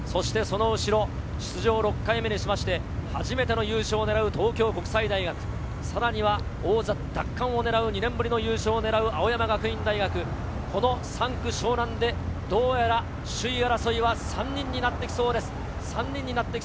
その後、出場６回目にして初めての優勝をねらう東京国際大学、さらには王者奪還をねらう２年振りの優勝をねらう青山学院大学、３区湘南でどうやら首位争いは３人になってきそうです。